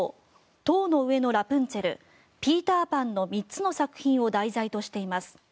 「塔の上のラプンツェル」「ピーター・パン」の３つの作品を題材としています。